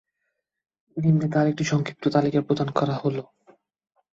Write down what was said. নিম্নে তার একটি সংক্ষিপ্ত তালিকা প্রদান করা হলো।